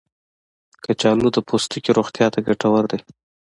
کچالو د پوستکي روغتیا ته ګټور دی.